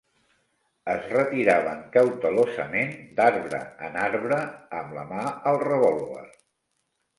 Es retiraven cautelosament, d'arbre en arbre, amb la mà al revòlver